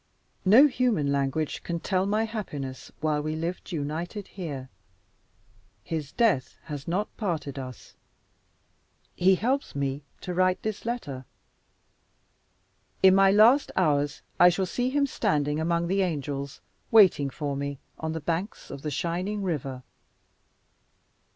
No human language can tell my happiness while we lived united here. His death has not parted us. He helps me to write this letter. In my last hours I shall see him standing among the angels, waiting for me on the banks of the shining river.